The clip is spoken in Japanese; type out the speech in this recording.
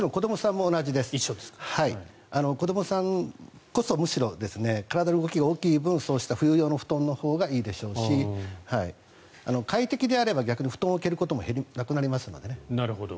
むしろ、子どもさんこそ体の動きが大きい分冬用の布団のほうがいいでしょうし快適であれば逆に布団を蹴ることもなくなりますのでね。